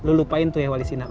lo lupain tuh ya wali sinar